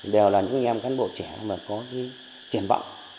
đều là những em cán bộ trẻ mà có cái trẻn vọng